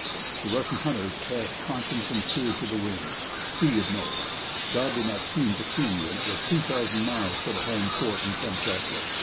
The Russian hunters cast conscience and fear to the winds. Who could know? God did not seem to see; and it was two thousand miles to the home fort in Kamchatka.